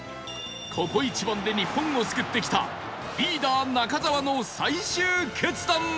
ここ一番で日本を救ってきたリーダー中澤の最終決断は？